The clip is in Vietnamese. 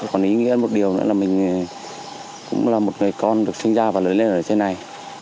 còn ý nghĩa một điều nữa là mình cũng là một người con được sinh ra và lớn lên ở trên này